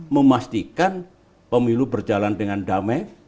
memastikan pemilu berjalan dengan damai